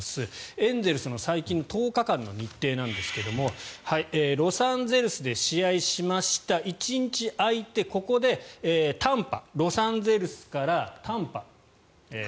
エンゼルスの最近の１０日間の日程なんですがロサンゼルスで試合をしました１日空いてここでタンパ。